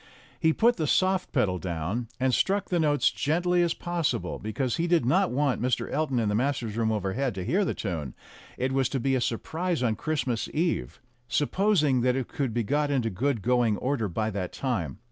He put the soft pedal down, and struck the notes as gently as possible, because he did not want Mr. Elton in the masters' room overhead to hear the tune ; it was to be a surprise on Christmas Eve supposing that it could be got into good going order by that time.